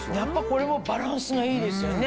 これもバランスがいいですよね。